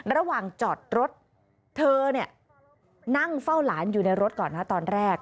ระหว่างจอดรถเธอเนี่ยนั่งเฝ้าหลานอยู่ในรถก่อนนะตอนแรก